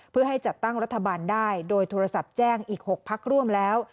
เพื่อให้จัดตั้งรัฐบาลได้โดยโทรศัพท์แจ้งอีก๖พักร่วมแล้ว